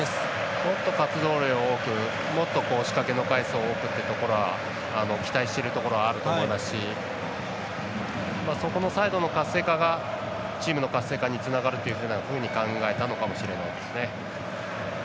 ちょっと活動量多くもっと仕掛けの回数を多くということを期待しているところもあると思いますしそこのサイドの活性化がチームの活性化につながると考えたのかもしれないですね。